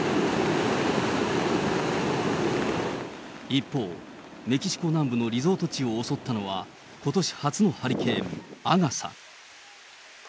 一方、メキシコ南部のリゾート地を襲ったのは、ことし初のハリケーン・アガサ。